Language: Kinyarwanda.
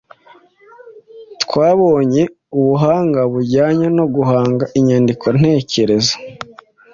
twabonyemo ubuhanga bujyanye no guhanga imyandiko ntekerezo.